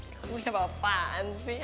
kamu gak apa apaan sih